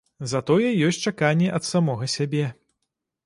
Затое ёсць чаканні ад самога сябе.